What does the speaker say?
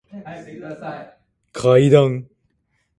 階段